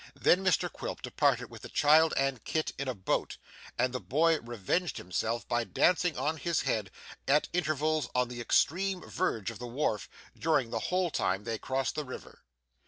Then Mr Quilp departed with the child and Kit in a boat, and the boy revenged himself by dancing on his head at intervals on the extreme verge of the wharf, during the whole time they crossed the river.